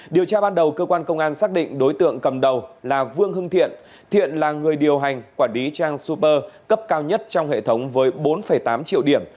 điều tra ban đầu cơ quan công an xác định đối tượng cầm đầu là vương hưng thiện thiện là người điều hành quản lý trang super cấp cao nhất trong hệ thống với bốn tám triệu điểm